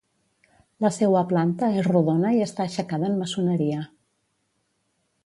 La seua planta és rodona i està aixecada en maçoneria.